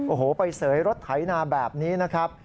โอ้โหไปเสยรถไถนาแบบนี้นะครับ